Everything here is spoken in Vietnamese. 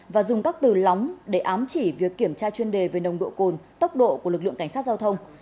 và dùng các từ lóng để ám chỉ việc kiểm tra chuyên đề về nồng độ cồn tốc độ của lực lượng cảnh sát giao thông